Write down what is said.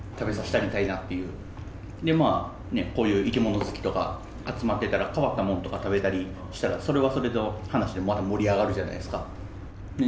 でまあこういう生き物好きとか集まってたら変わったものとか食べたりしたらそれはそれで話でまた盛り上がるじゃないですか。